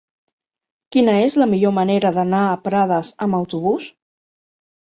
Quina és la millor manera d'anar a Prades amb autobús?